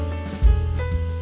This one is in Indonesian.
perlu atau tidak